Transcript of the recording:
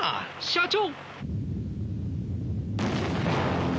社長！